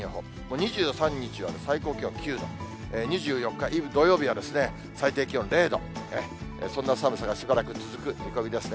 ２３日は最高気温９度、２４日イブ、土曜日は最低気温０度、そんな寒さがしばらく続く見込みですね。